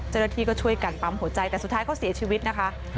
เจ้าหน้าที่ก็ช่วยกันปั๊มหัวใจแต่สุดท้ายเขาเสียชีวิตนะคะ